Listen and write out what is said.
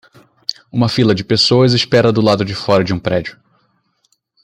Uma fila de pessoas espera do lado de fora de um prédio.